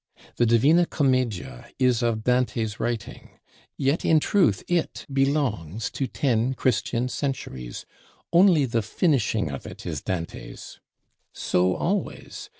The 'Divina Commedia' is of Dante's writing; yet in truth it belongs to ten Christian centuries, only the finishing of it is Dante's. So always.